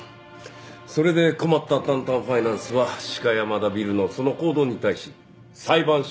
それで困ったタンタンファイナンスは鹿山田ビルのその行動に対し裁判所に訴えてきた。